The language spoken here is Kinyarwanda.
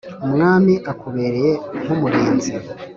umwami akubereye nk’umurinzi